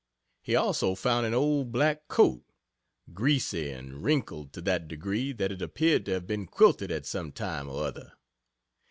He also found an old black coat, greasy, and wrinkled to that degree that it appeared to have been quilted at some time or other.